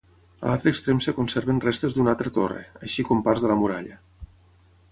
A l'altre extrem es conserven restes d'una altra torre, així com parts de la muralla.